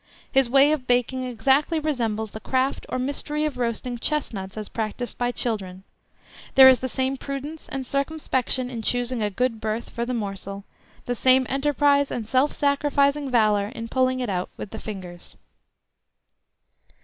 His way of baking exactly resembles the craft or mystery of roasting chestnuts as practised by children; there is the same prudence and circumspection in choosing a good berth for the morsel, the same enterprise and self sacrificing valour in pulling it out with the fingers.